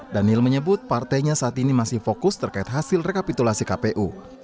daniel menyebut partainya saat ini masih fokus terkait hasil rekapitulasi kpu